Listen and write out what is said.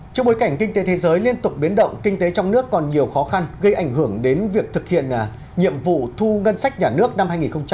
trước bối cảnh kinh tế thế giới liên tục biến động kinh tế trong nước còn nhiều khó khăn gây ảnh hưởng đến việc thực hiện nhiệm vụ thu ngân sách nhà nước năm hai nghìn hai mươi